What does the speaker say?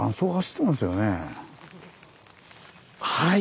はい！